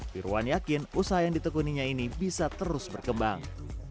firwan yakin usaha yang ditekuninya ini bisa terus berkembang